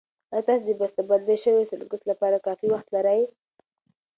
ایا تاسو د بستهبندي شويو سنکس لپاره کافي وخت لرئ؟